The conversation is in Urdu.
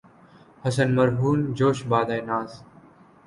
حسن مرہون جوش بادۂ ناز